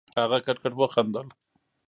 هغه کټ کټ وخندل.